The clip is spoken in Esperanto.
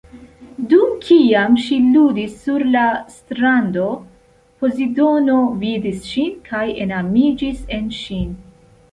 Dum kiam ŝi ludis sur la strando, Pozidono vidis ŝin, kaj enamiĝis en ŝin.